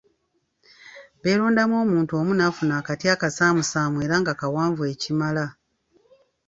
Beerondamu omuntu omu n’afuna akati akasaamusaamu era nga kawanvu ekimala.